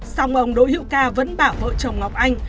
xong ông đỗ hữu ca vẫn bảo vợ chồng ngọc anh